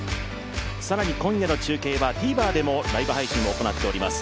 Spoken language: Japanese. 更に今夜の中継はＴＶｅｒでもＬＩＶＥ配信を行っております。